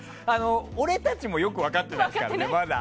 俺たちもよく分かってないですからね。